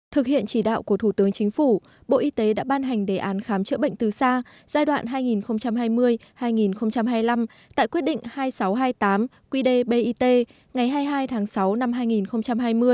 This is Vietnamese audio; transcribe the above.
thực hiện chỉ đạo của thủ tướng chính phủ bộ y tế đã ban hành đề án khám chữa bệnh từ xa giai đoạn hai nghìn hai mươi hai nghìn hai mươi năm tại quyết định hai nghìn sáu trăm hai mươi tám qd bit ngày hai mươi hai tháng sáu năm hai nghìn hai mươi